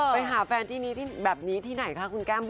ไปหาแฟนแบบนี้ที่ไหนคะคุณแก้มบุ่ม